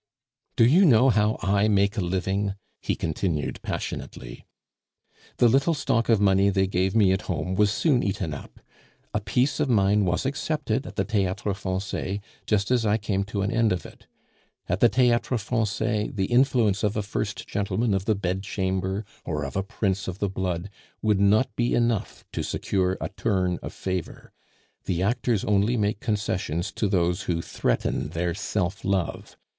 "Do you know how I make a living?" he continued passionately. "The little stock of money they gave me at home was soon eaten up. A piece of mine was accepted at the Theatre Francais just as I came to an end of it. At the Theatre Francais the influence of a first gentleman of the bedchamber, or of a prince of the blood, would not be enough to secure a turn of favor; the actors only make concessions to those who threaten their self love.